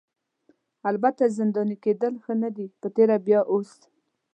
البته زنداني کیدل ښه نه دي په تېره بیا اوس.